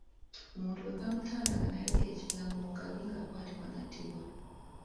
Omuntu bwe kaamutandanga n'amala ayogera ekigambo ngabi, ng'akwatibwa n'attibwa.